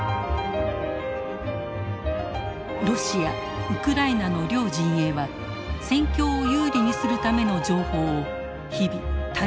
ロシアウクライナの両陣営は戦況を有利にするための情報を日々大量に発信。